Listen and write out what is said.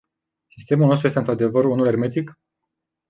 Sistemul nostru este într-adevăr unul ermetic?